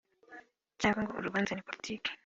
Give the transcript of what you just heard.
cg ngo urubanza ni politiki